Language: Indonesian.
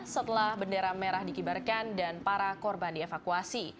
setelah bendera merah dikibarkan dan para korban dievakuasi